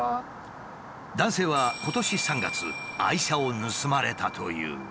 男性は今年３月愛車を盗まれたという。